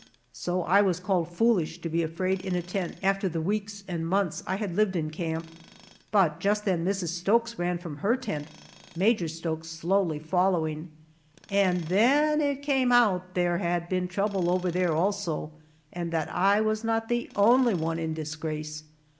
So I was called foolish to be afraid in a tent after the weeks and months I had lived in camp. But just then Mrs. Stokes ran from her tent, Major Stokes slowly following, and then it came out that there had been trouble over there also, and that I was not the only one in disgrace.